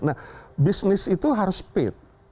nah bisnis itu harus speed